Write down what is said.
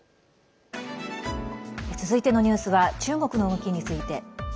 続いてのニュースは中国の動きについて。